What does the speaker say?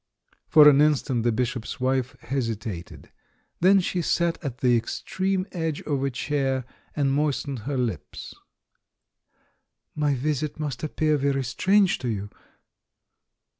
For an instant the Bishop's wife hesitated. Then she sat at the extreme edge of a chair, and moistened her lips. "My visit must appear very strange to you?"